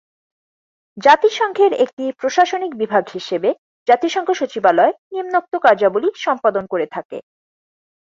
জাতিসংঘের একটি প্রশাসনিক বিভাগ হিসেবে জাতিসংঘ সচিবালয় নিম্নোক্ত কার্যাবলী সম্পাদন করে থাকে।